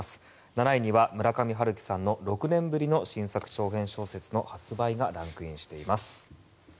７位には村上春樹さんの６年ぶりの新作長編小説の発売がランクインしています。